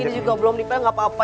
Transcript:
ini juga belum dipelangga gak apa apa